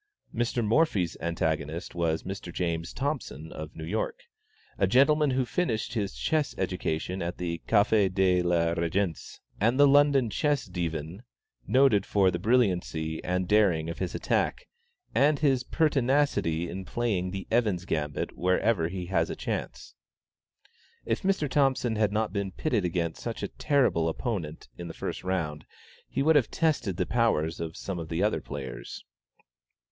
Mr. Morphy's antagonist was Mr. James Thompson, of New York, a gentleman who finished his chess education at the Café de la Régence, and the London Chess Divan, noted for the brilliancy and daring of his attack, and his pertinacity in playing the Evans' Gambit wherever he has a chance. If Mr. Thompson had not been pitted against such a terrible opponent, in the first round, he would have tested the powers of some of the other players.